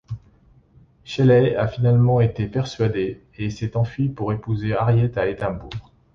Shelley a finalement été persuadée et s'est enfuie pour épouser Harriet à Édimbourg.